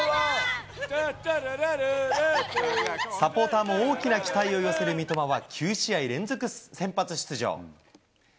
サポーターも大きな期待を寄せる三笘は、９試合連続先発出場。